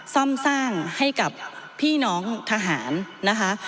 ซ่อมสร้างให้กับพี่น้องทหารนะคะ